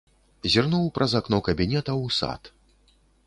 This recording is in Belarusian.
Зірнуў праз акно кабінета ў сад.